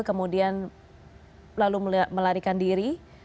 kemudian lalu melarikan diri